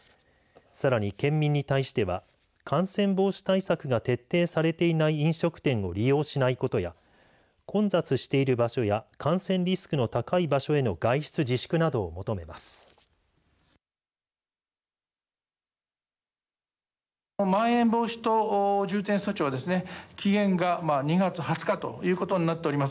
さらに県民に対しては感染防止対策が徹底されていない飲食店を利用しないことや混雑している場所や感染リスクの高い場所への外出自粛などを求めます。